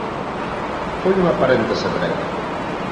Foi unha paréntese breve.